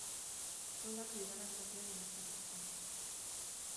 Golak bigarren zatian egin zituzten.